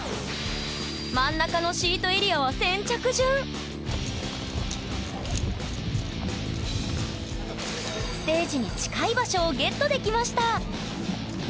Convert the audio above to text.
真ん中のシートエリアはステージに近い場所をゲットできました！